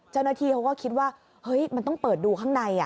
เจ้าหน้าที่เขาก็คิดว่าเฮ้ยมันต้องเปิดดูข้างใน